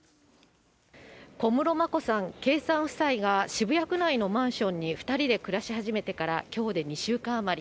小室眞子さん、圭さん夫妻が、渋谷区内のマンションに２人で暮らし始めてからきょうで２週間余り。